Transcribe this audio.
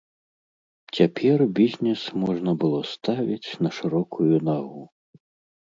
Цяпер бізнес можна было ставіць на шырокую нагу.